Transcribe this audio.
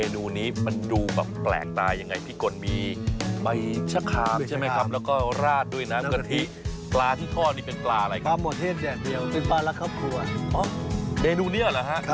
อร้อยมากเลยหวานมากสุดยอดครับเมนูนี้